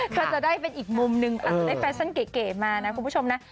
ก็จะได้เป็นอีกมุมนึงอาจจะได้แฟชั่นเก๋มานะคุณผู้ชมนะ